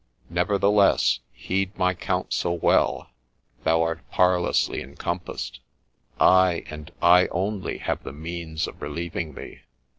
Never theless, heed my counsel well ! Thou art parlously encompassed ; I, and I only, have the means of relieving thee.